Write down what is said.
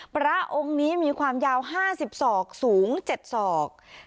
พระองค์นี้มีความยาว๕๐ศอกสูง๗ศอก